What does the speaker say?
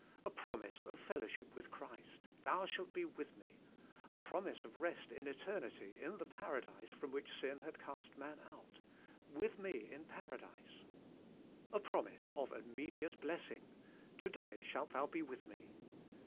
'^ A promise of fellowship with Chiist, — "Thou shalt be with me;" a promise of rest in eternity, in the Paradise from which sin had cast man out, — "With me in Paradise;" a promise of immediate blessing, — "To day shalt thou be with Me."